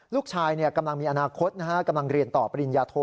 ลูกชายกำลังมีอนาคตกำลังเรียนต่อปริญญาโท